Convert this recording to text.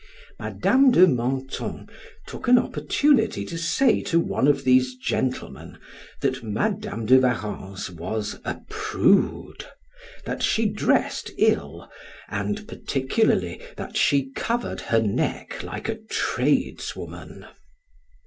Madam de Menthon took an opportunity to say to one of these gentlemen, that Madam de Warrens was a prude, that she dressed ill, and particularly that she covered her neck like a tradeswoman.